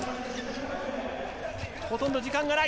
ほとんど時間はない。